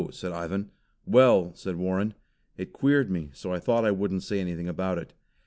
said Ivan. "Well," said Warren, "it queered me so I thought I wouldn't say anything about it.